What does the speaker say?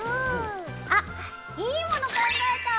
あっいいもの考えた！